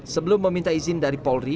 sebelum meminta izin dari polri